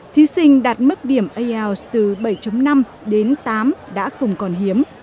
thí sinh đạt mức điểm ielts từ bảy năm đến tám đã không còn hiếm